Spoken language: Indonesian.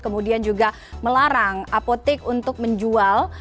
kemudian juga melarang apotek untuk menjual